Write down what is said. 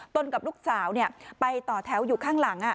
กับลูกสาวไปต่อแถวอยู่ข้างหลัง